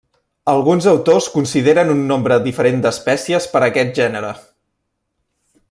Alguns autors consideren un nombre diferent d'espècies per a aquest gènere.